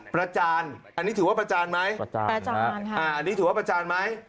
ประจานอันนี้ถือว่าประจานไหมประจานประจานค่ะอันนี้ถือว่าประจานไหม